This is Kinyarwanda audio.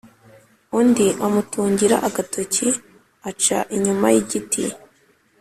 undi amutungira agatoke aca inyuma yigiti